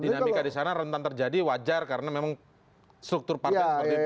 dinamika di sana rentan terjadi wajar karena memang struktur partai seperti itu